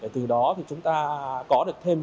từ đó thì chúng ta có được thêm